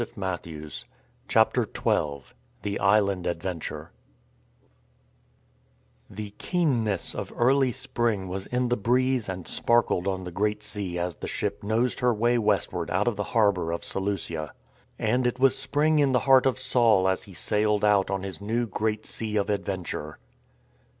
THE CITIES OF PAUL S EARLY LIFE XII THE ISLAND ADVENTURE THE keenness of early spring was in the breeze and sparkled on the Great Sea as the ship nosed her way westward out of the harbour of Seleucia. And it was spring in the heart of Saul as he sailed out on his new Great Sea of Adventure.